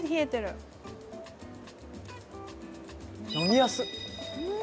飲みやすっ！